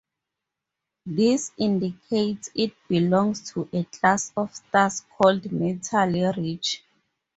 This indicates it belongs to a class of stars called metal-rich.